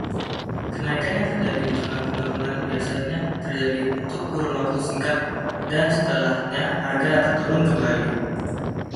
Kenaikan yang terjadi di tengah penurunan biasanya terjadi untuk kurun waktu singkat dan setelahnya harga dapat turun kembali.